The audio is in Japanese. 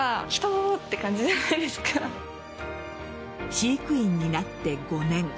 飼育員になって５年。